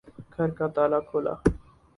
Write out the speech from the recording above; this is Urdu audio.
گھر کا تالا کھولا